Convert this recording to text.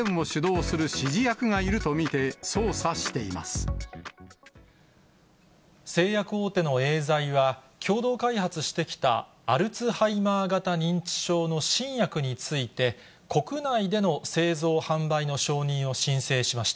警察は、事件を主導する指示役がいると見て、製薬大手のエーザイは、共同開発してきたアルツハイマー型認知症の新薬について、国内での製造販売での承認を申請しました。